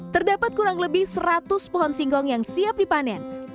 terdapat kurang lebih seratus pohon singkong yang siap dipanen